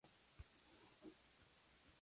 Su sede está en Riad, la capital saudí.